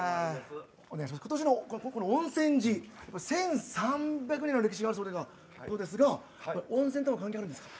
温泉寺、１３００年の歴史があるそうですが温泉とは関係あるんですか？